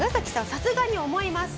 さすがに思います。